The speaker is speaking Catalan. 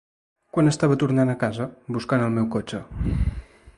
Quan estava tornant a casa, buscant el meu cotxe.